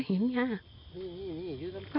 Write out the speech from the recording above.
คะเห็นเนี่ย